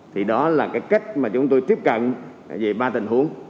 thì đó là cái cách mà chúng tôi tiếp cận về ba tình huống